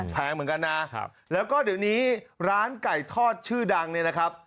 แพงเหมือนกันนะแล้วก็เดี๋ยวนี้ร้านไก่ทอดชื่อดังเนี่ยนะครับ